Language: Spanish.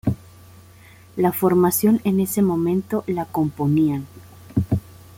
La formación en ese momento la componían.